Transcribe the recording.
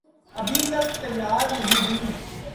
ابھی تک تیار نہیں ہوئیں؟